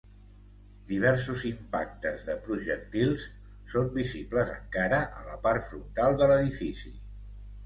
Diversos impactes de projectils són visibles encara a la part frontal de l'edifici.